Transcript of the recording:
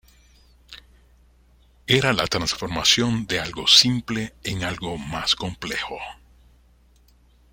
Era la transformación de un algo simple en algo más complejo